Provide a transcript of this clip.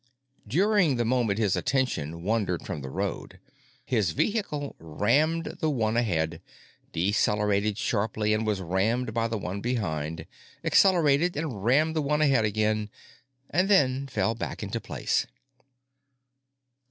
During the moment his attention wandered from the road, his vehicle rammed the one ahead, decelerated sharply and was rammed by the one behind, accelerated and rammed the one ahead again and then fell back into place.